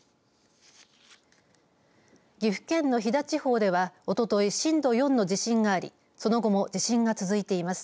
岐阜県の飛騨地方では、おととい震度４の地震がありその後も地震が続いています。